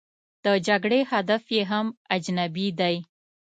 د جګړې هدف یې هم اجنبي دی.